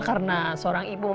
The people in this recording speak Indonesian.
tapi udah nggupen